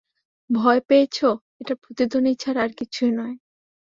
ভয় পেয়েছ, এটা প্রতিধ্বনি ছাড়া আর কিছুই নয়।